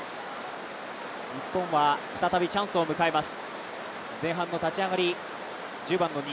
日本は再びチャンスを迎えます。